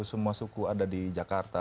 semua suku ada di jakarta